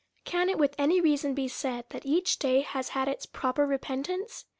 Can it with any reason be said, that each day has had its proper re pentance?